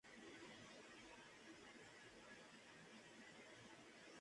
Shade escapa a la Zero-Zona y cae en el Área de la Locura.